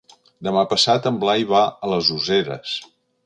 Demà passat en Blai va a les Useres.